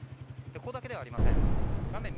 ここだけではありません。